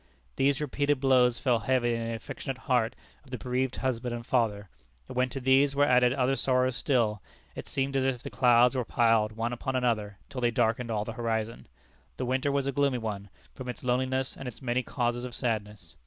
These repeated blows fell heavy on the affectionate heart of the bereaved husband and father, and when to these were added other sorrows still, it seemed as if the clouds were piled one upon another till they darkened all the horizon. The winter was a gloomy one, from its loneliness and its many causes of sadness.